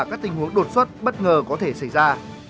các tình huống đột xuất bất ngờ có thể xảy ra